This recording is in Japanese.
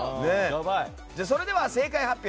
それでは正解発表。